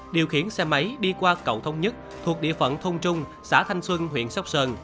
điều khiển xe máy đi qua cầu thông nhất thuộc địa phận thôn trung xã thanh xuân huyện sóc sơn